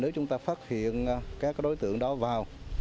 nếu chúng ta phát hiện các đối tượng đó vào